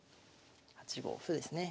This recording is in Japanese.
８五歩ですね。